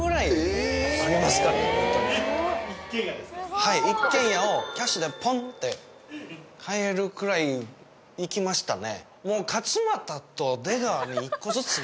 はい一軒家をキャッシュでぽんって買えるくらいいきましたね。